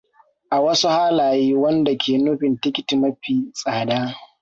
A wasu halaye wanda ke nufin tikiti mafi tsada.